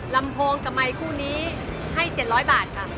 ลำโพงกับไมค์คู่นี้ให้๗๐๐บาทค่ะ